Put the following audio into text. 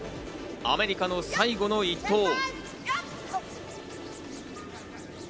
アメリカの最後の１投。